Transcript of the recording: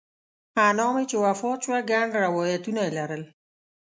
انا مې چې وفات شوه ګڼ روایات یې لرل.